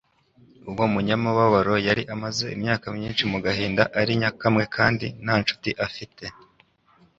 Uwo munyamubabaro yari amaze imyaka myinshi mu gahinda ari nyakamwe kandi nta nshuti afite,